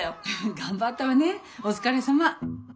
頑張ったわねお疲れさま。